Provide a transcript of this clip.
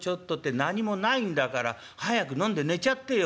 何もないんだから早く飲んで寝ちゃってよ」。